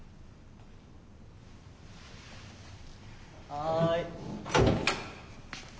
・はい。